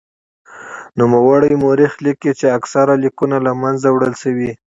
نوموړی مورخ لیکي چې اکثر لیکونه له منځه وړل شوي.